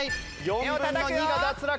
４分の２が脱落。